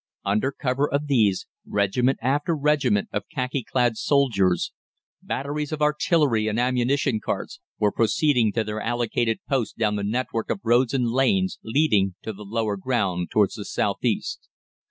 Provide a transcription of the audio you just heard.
Under cover of these, regiment after regiment of khaki clad soldiers, batteries of artillery and ammunition carts, were proceeding to their allotted posts down the network of roads and lanes leading to the lower ground towards the south east.